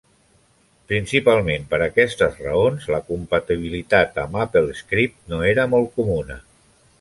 Principalment per aquestes raons, la compatibilitat amb AppleScript no era molt comuna.